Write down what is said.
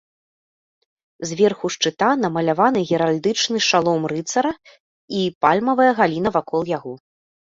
Зверху шчыта намаляваны геральдычны шалом рыцара і пальмавая галіна вакол яго.